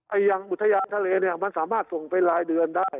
ไอหยังอุทยานทะเลสนากส่งไปรายเดือนได้